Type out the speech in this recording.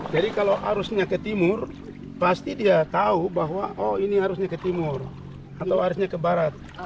jadi kalau arusnya ke timur pasti dia tahu bahwa oh ini arusnya ke timur atau arusnya ke barat